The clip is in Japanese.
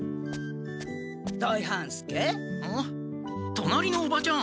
隣のおばちゃん！